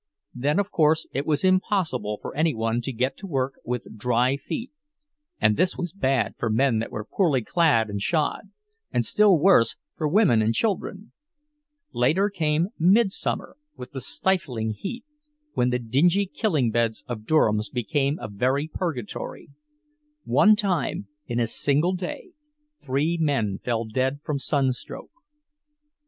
Then, of course, it was impossible for any one to get to work with dry feet; and this was bad for men that were poorly clad and shod, and still worse for women and children. Later came midsummer, with the stifling heat, when the dingy killing beds of Durham's became a very purgatory; one time, in a single day, three men fell dead from sunstroke.